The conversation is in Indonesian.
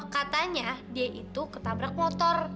katanya dia itu ketabrak motor